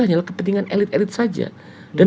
hanya kepentingan elit elit saja dan